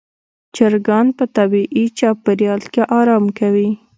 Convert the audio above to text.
چرګان په طبیعي چاپېریال کې آرام وي.